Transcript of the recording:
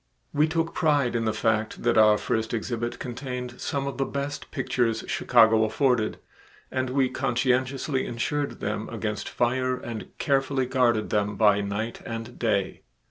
We took pride in the fact that our first exhibit contained some of the best pictures Chicago afforded, and we conscientiously insured them against fire and carefully guarded them by night and day.